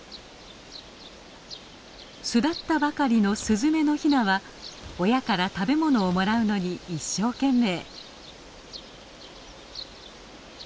巣立ったばかりのスズメのヒナは親から食べ物をもらうのに一生懸命。